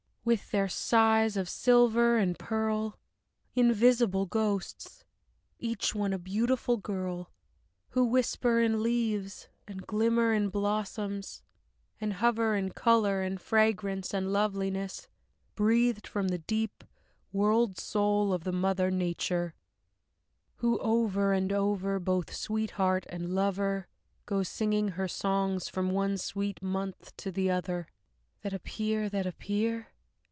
With their sighs of silver and pearl? Invisible ghosts, Each one a beautiful girl, Who whisper in leaves and glimmer in blossoms and hover In color and fragrance and loveliness, breathed from the deep World soul of the mother, Nature; who, over and over, Both sweetheart and lover, Goes singing her songs from one sweet month to the other, That appear, that appear?